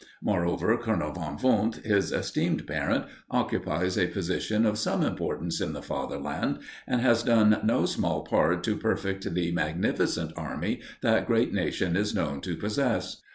Moreover, Colonel von Wundt, his esteemed parent, occupies a position of some importance in the Fatherland, and has done no small part to perfect the magnificent army that great nation is known to possess."